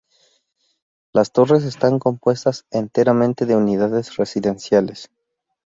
Las torres están compuestas enteramente de unidades residenciales.